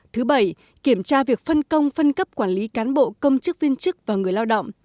thứ bảy kiểm tra việc phân công phân cấp quản lý cán bộ công chức viên chức và người lao động